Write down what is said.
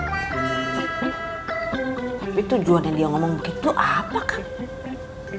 tapi tujuannya dia ngomong begitu apa kang